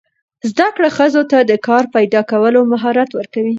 زده کړه ښځو ته د کار پیدا کولو مهارت ورکوي.